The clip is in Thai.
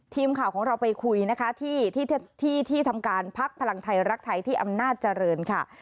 ทีมข่าวของเราไปคุยนะคะที่ที่ทำการพักพลังไทยรักไทยที่อำนาจเจริญค่ะ